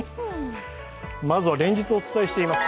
まずは連日お伝えしています